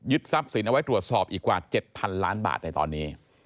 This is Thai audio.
ทรัพย์สินเอาไว้ตรวจสอบอีกกว่า๗๐๐ล้านบาทในตอนนี้